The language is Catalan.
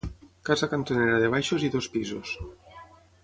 Casa cantonera de baixos i dos pisos.